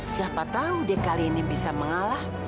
siapa tahu dia kali ini bisa mengalah